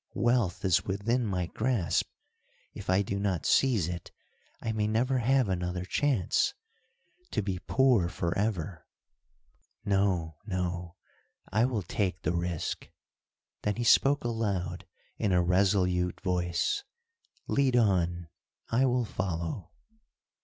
"Wealth is within my grasp; if I do not seize it, I may never have another chance! To be poor forever! No! no! I will take the risk." Then he spoke aloud, in a resolute voice, "Lead on, I will follow."